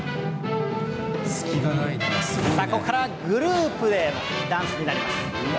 ここからグループでダンスになります。